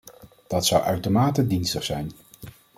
Dat zou uitermate dienstig zijn.